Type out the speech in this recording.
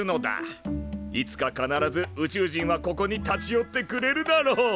いつか必ず宇宙人はここに立ち寄ってくれるだろう。